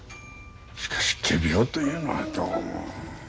しかし仮病というのはどうも。